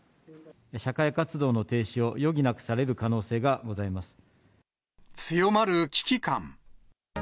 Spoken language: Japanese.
社会活動の停止を余儀なくさ強まる危機感。